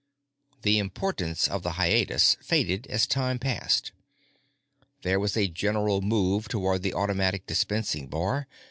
The importance of the hiatus faded as time passed. There was a general move toward the automatic dispensing bar.